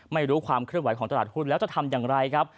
ไม่รู้ความเคลื่อนไหวของตลาดหุ้นแล้วจะทำอย่างไรครับ